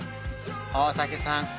大竹さん